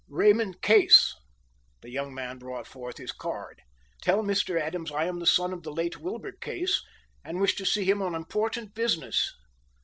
"Raymond Case." The young man brought forth his card. "Tell Mr. Adams I am the son of the late Wilbur Case, and wish to see him on important business."